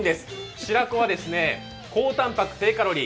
白子は高たんぱく低カロリー。